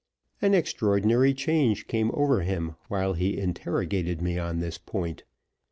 An extraordinary change came over him while he interrogated me on this point.